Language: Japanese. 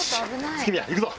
搗宮行くぞ。